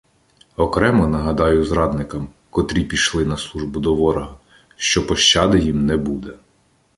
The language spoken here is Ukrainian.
Окремо нагадую зрадникам, котрі пішли на службу до ворога, що пощади їм не буде.